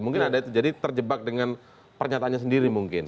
mungkin ada itu jadi terjebak dengan pernyataannya sendiri mungkin